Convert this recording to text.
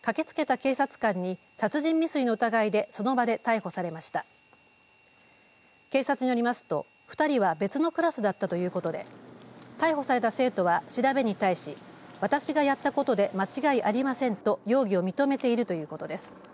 警察によりますと、２人は別のクラスだったということで逮捕された生徒は、調べに対し私がやったことで間違いありませんと容疑を認めているということです。